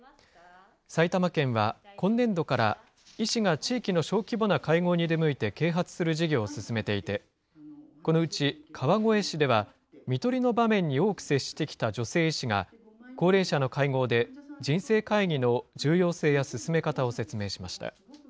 埼玉県は今年度から、医師が地域の小規模な会合に出向いて啓発する事業を進めていて、このうち川越市では、みとりの場面に多く接してきた女性医師が、高齢者の会合で、人生会議の重要性や進め方を説明しました。